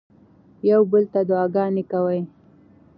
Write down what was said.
یو بل ته دعاګانې کوئ.